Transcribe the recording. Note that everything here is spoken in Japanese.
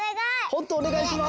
ホントおねがいします！